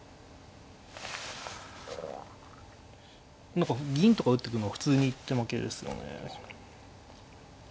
何か銀とか打ってくのは普通に一手負けですよね。